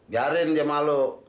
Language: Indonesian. biarin dia malu